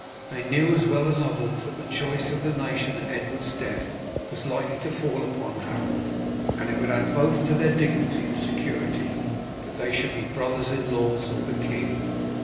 They knew as well as others that the choice of the nation at Edward's death was likely to fall upon Harold, and it would add both to their dignity and security that they should be brothers in law of the king.